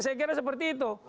saya kira seperti itu